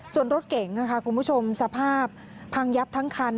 ส่วนรถเก๋งค่ะคุณผู้ชมสภาพพังยับทั้งคัน